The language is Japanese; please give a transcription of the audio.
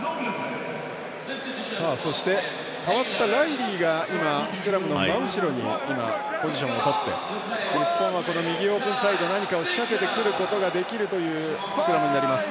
そして、代わったライリーがスクラムの真後ろにポジションを取って日本、右オープンサイド何かを仕掛けてくることができるというスクラムになります。